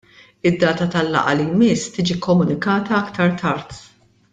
Id-data tal-laqgħa li jmiss tiġi komunikata aktar tard.